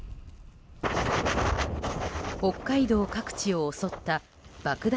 北海道各地を襲った爆弾